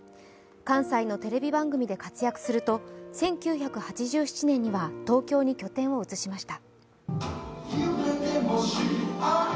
関西のテレビ番組で活躍すると１９８７年には東京に拠点を移しました。